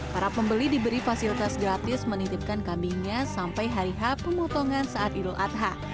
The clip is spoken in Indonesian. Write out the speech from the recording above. para pembeli diberi fasilitas gratis menitipkan kambingnya sampai hari h pemotongan saat idul adha